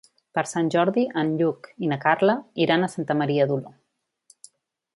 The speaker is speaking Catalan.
Per Sant Jordi en Lluc i na Carla iran a Santa Maria d'Oló.